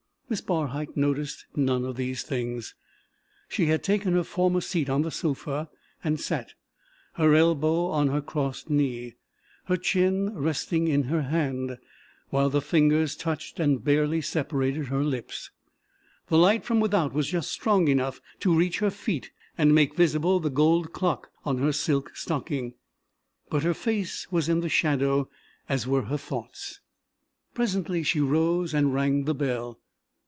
Miss Barhyte noticed none of these things. She had taken her former seat on the sofa and sat, her elbow on her crossed knee, her chin resting in her hand, while the fingers touched and barely separated her lips. The light from without was just strong enough to reach her feet and make visible the gold clock on her silk stocking, but her face was in the shadow as were her thoughts. Presently she rose and rang the bell.